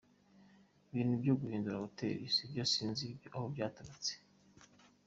Ibintu byo kuyihindura Hotel sibyo sinzi aho byaturutse.